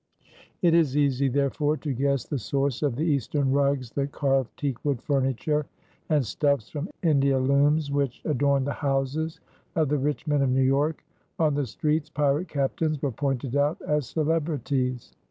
It is easy, therefore, to guess the source of the Eastern rugs, the carved teakwood furniture, and stuffs from India looms which adorned the houses of the rich men of New York. On the streets pirate captains were pointed out as celebrities.